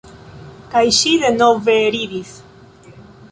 Kaj ŝi denove ridis.